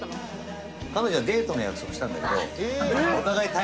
彼女はデートの約束したんだけど。